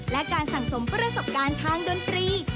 และการสั่งสมประสบการณ์ทางดนตรี